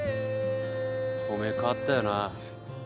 おめえ変わったよな。